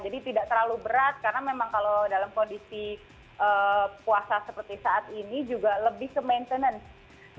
jadi tidak terlalu berat karena memang kalau dalam kondisi puasa seperti saat ini juga lebih ke maintenance